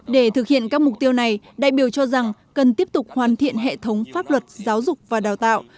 để thực hiện các mục tiêu này đại biểu cho rằng cần tiếp tục hoàn thiện hệ thống pháp luật giáo dục và đào tạo